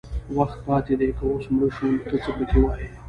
وخت پاتې دی که اوس مړه شو نو ته څه پکې وایې